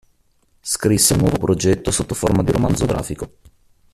Scrisse il nuovo progetto sotto forma di romanzo grafico.